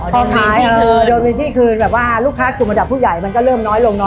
พอมีแล้วเออโดนเว้นที่คืนแบบว่าลูกค้าคือมาดับผู้ใหญ่มันก็ล่มน้อยลง